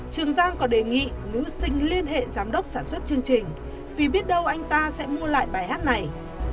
trường giang còn đề nghị nữ sinh liên hệ giám đốc sản xuất chương trình vì biết đâu anh ta sẽ mua lại bài hát này